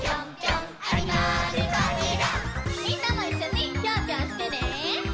みんなもいっしょにピョンピョンしてね！